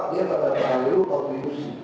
dia akan melayu kontribusi